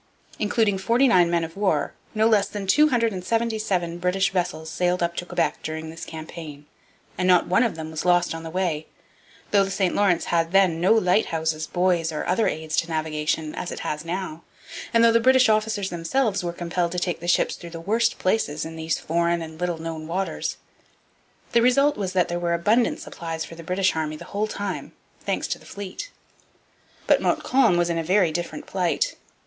Including forty nine men of war, no less than 277 British vessels sailed up to Quebec during this campaign; and not one of them was lost on the way, though the St Lawrence had then no lighthouses, buoys, or other aids to navigation, as it has now, and though the British officers themselves were compelled to take the ships through the worst places in these foreign and little known waters. The result was that there were abundant supplies for the British army the whole time, thanks to the fleet. But Montcalm was in a very different plight.